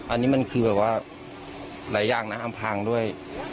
อันนี้เป็นหลายอย่างนะอำพังด้วย